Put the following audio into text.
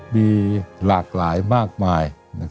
มีหลากหลายมากมาย